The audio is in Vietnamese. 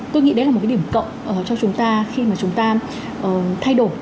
tôi nghĩ đấy là một cái điểm cộng cho chúng ta khi mà chúng ta thay đổi